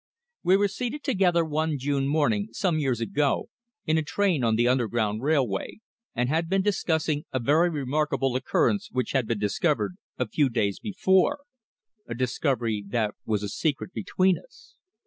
We were seated together one June morning some years ago, in a train on the Underground Railway, and had been discussing a very remarkable occurrence which had been discovered a few days before a discovery that was a secret between us.